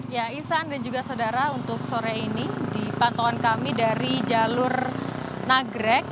ya isan dan juga saudara untuk sore ini di pantauan kami dari jalur nagrek